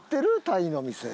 タイの店。